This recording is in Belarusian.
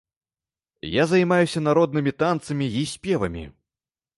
Я займаюся народнымі танцамі і спевамі.